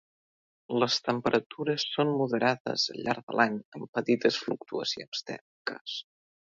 Les temperatures són moderades al llarg de l'any amb petites fluctuacions tèrmiques.